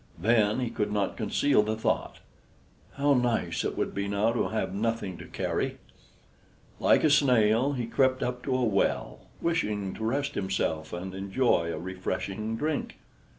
Then he could not conceal the thought: "How nice it would be now to have nothing to carry!" Like a snail he crept up to a well, wishing to rest himself and enjoy a refreshing drink.